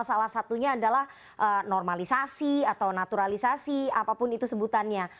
salah satunya adalah normalisasi atau naturalisasi apapun itu sebutannya